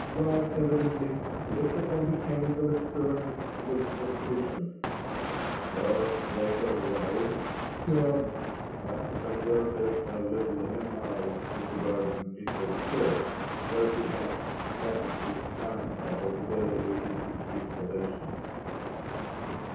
Waad evidently looked upon the chemical experiments with suspicion. 'Sir Walter Raleigh,' he wrote, 'hath converted a little hen house in the garden into a still, where he doth spend his time all the day in his distillations.'